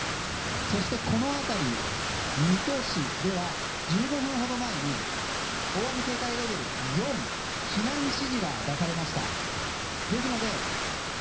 そして、この辺りの水戸市では１５分ほど前に大雨警戒レベル４避難指示が出されました。